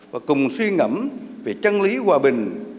và cùng suy ngẩm về trang lý hòa bình